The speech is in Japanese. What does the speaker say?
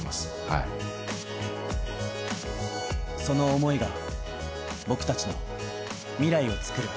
はいその思いが僕達の未来をつくる